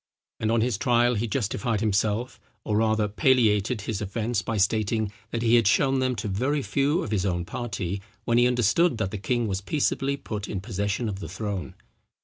And on his trial, he justified himself, or rather palliated his offence, by stating, that he had shown them to very few of his own party, when he understood that the king was peaceably put in possession of the throne.